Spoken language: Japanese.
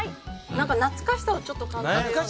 なんか懐かしさをちょっと感じるような。